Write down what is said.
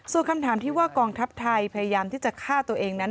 ส่วนคำถามที่ว่ากองทัพไทยพยายามที่จะฆ่าตัวเองนั้น